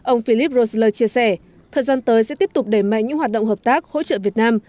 ông philip roessler chia sẻ thời gian tới sẽ tiếp tục đẩy mạnh những hoạt động hợp tác hỗ trợ việt nam